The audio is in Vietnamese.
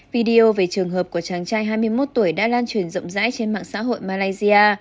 video về trường hợp của chàng trai hai mươi một tuổi đã lan truyền rộng rãi trên mạng xã hội malaysia